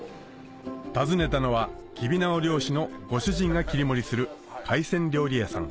訪ねたのはキビナゴ漁師のご主人が切り盛りする海鮮料理屋さん